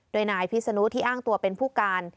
โดยนายพิศนุที่อ้างตัวเป็นผู้การ